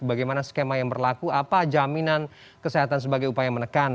bagaimana skema yang berlaku apa jaminan kesehatan sebagai upaya menekan